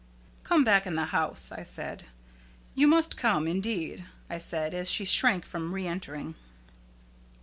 "Come back in the house," I said; "you must come, indeed," I said, as she shrank from re entering.